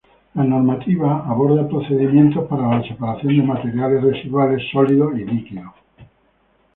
La normativa, aborda procedimientos para la separación de materiales residuales sólidos y líquidos.